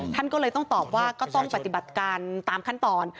ท่านก็เลยต้องตอบว่าก็ต้องปฏิบัติการตามขั้นตอน